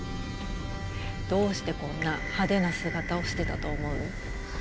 どうしてこんな派手な姿をしてたと思う？